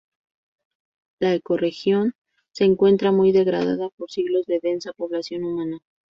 La ecorregión se encuentra muy degradada por siglos de densa población humana.